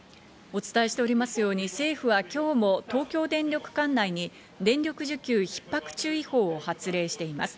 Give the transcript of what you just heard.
お伝えしておりますように政府は今日も東京電力管内に電力需給ひっ迫注意報を発令しています。